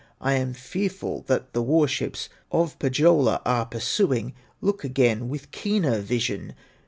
I am fearful that the war ships Of Pohyola are pursuing; Look again with keener vision."